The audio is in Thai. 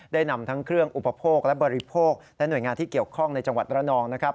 ได้นำทั้งเครื่องอุปโภคและบริโภคและหน่วยงานที่เกี่ยวข้องในจังหวัดระนองนะครับ